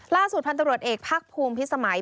ล่าสุดพันธบรวจเอกภาคภูมิพิสมัย